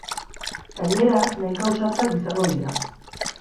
Gainera, nahiko ausartak izango dira.